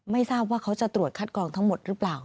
ไม่ทราบว่าเขาจะตรวจคัดกรองทั้งหมดหรือเปล่า